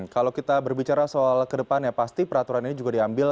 kalau kita berbicara soal kedepannya pasti peraturan ini juga diambil